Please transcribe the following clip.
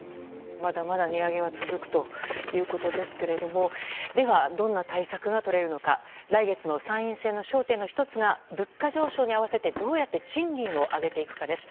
まだまだ値上げは続くということですがでは、どんな対策がとれるのか来月の参院選の焦点の１つが物価上昇に合わせてどうやって賃金を上げていくかです。